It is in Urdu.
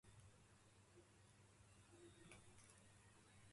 شامی فوج نے آج صبح "جوبر" میں دہشتگرد گروہ کے زیر قبضہ